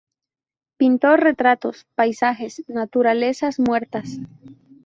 Pintó retratos, paisajes, naturalezas muertas.